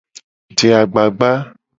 Je agbagba.